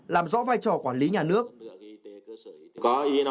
làm rõ vai trò quản lý nhà nước